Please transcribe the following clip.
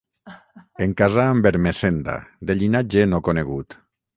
En casà amb Ermessenda, de llinatge no conegut.